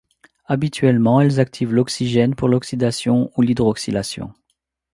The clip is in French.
Habituellement, elles activent l'O pour l'oxydation ou l'hydroxylation.